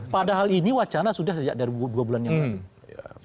padahal ini wacana sudah sejak dari dua bulan yang lalu